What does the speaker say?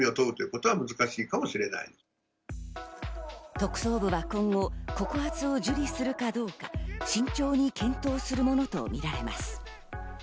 特捜部は今後、告発を受理するかどうか、慎重に検討するものとみられます。